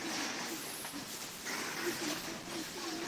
转向架构架采用钢板焊接箱型结构。